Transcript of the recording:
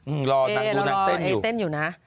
อือรอดูหนังต้นอยู่ต้นอยู่นะ